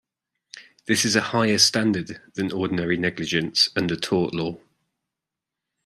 This is a higher standard than ordinary negligence under tort law.